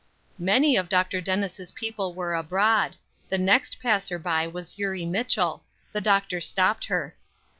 Many of Dr. Dennis' people were abroad; the next passer by was Eurie Mitchell; the doctor stopped her.